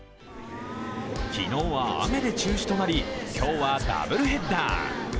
昨日は雨で中止となり今日はダブルヘッダー。